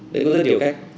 đấy có rất nhiều cách